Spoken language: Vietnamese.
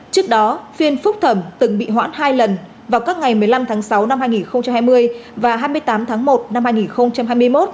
trước đó phiên phúc thẩm từng bị hoãn hai lần vào các ngày một mươi năm tháng sáu năm hai nghìn hai mươi và hai mươi tám tháng một năm hai nghìn hai mươi một